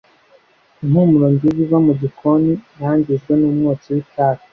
Impumuro nziza iva mu gikoni yangijwe n'umwotsi w'itabi.